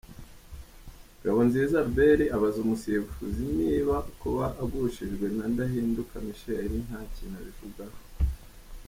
Ngabonziza Albert abaza umusifuzi niba kuba agushijwe na Ndahinduka Michel nta kintu abivugaho.